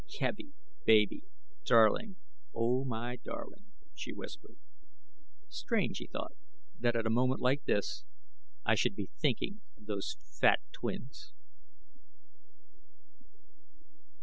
"... Kevie, baby darling ... oh, my darling," she whispered. Strange, he thought, that at a moment like this, I should be thinking of those fat twins....